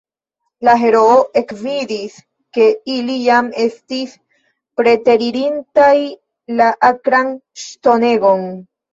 La heroo ekvidis, ke ili jam estis preteririntaj la akran ŝtonegon.